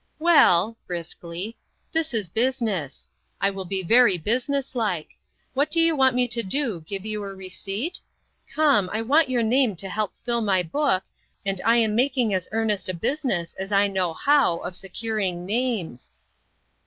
" Well," briskly, " this is business. I will be very business like. What do you want me to do, give you a receipt ? Come, I want your name to help fill my book, and I am making as earnest a business as I know how, of securing names."